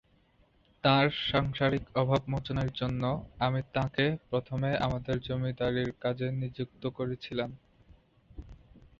তাঁর সাংসারিক অভাব মোচনের জন্য আমি তাঁকে প্রথমে আমাদের জমিদারির কাজে নিযুক্ত করেছিলেম।